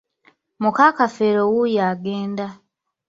Muka Kafeero wuuyo agenda.